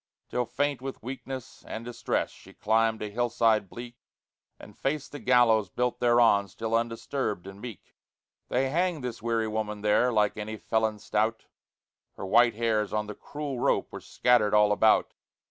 Till faint with weakness and distress, She climbed a hillside bleak, And faced the gallows built thereon, Still undisturbed and meek. They hanged this weary woman there, Like any felon stout; Her white hairs on the cruel rope Were scattered all about.